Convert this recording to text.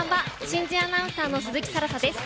新人アナウンサーの鈴木新彩です。